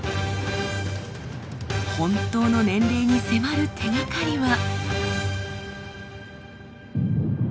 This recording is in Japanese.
本当の年齢に迫る手がかりは。